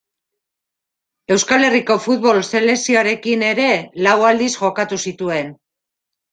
Euskal Herriko futbol selekzioarekin ere lau aldiz jokatu zituen.